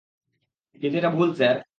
কিন্তু এটা ভুল, স্যার।